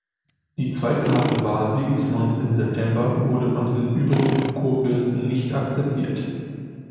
Die zweifelhafte Wahl Sigismunds im September wurde von den übrigen Kurfürsten nicht akzeptiert.